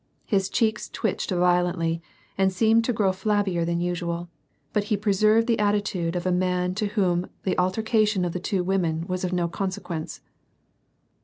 His cheeks twitched violently and seemed to grow flabbier than usual, but he pre served the attitude of a man to whom the altercation of the two women was of no consequence.